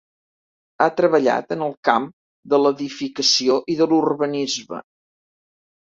Ha treballat en el camp de l'edificació i de l'urbanisme.